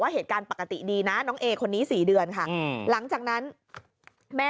เหตุการณ์ปกติดีนะน้องเอคนนี้๔เดือนค่ะหลังจากนั้นแม่